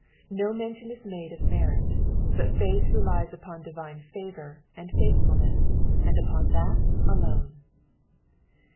No mention is made of merit, but faith relies upoa divine favour and faithfulaess, and upon that alone.